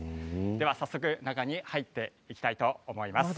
では早速、中に入っていきたいと思います。